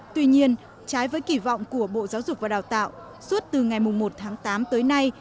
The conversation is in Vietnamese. tuy nhiên trái với kỳ vọng của bộ giáo dục và đào tạo suốt từ ngày một tháng tám tới nay